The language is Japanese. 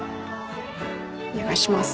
お願いします。